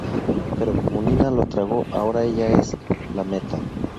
Pero como Nina lo tragó, ahora ella es "la meta".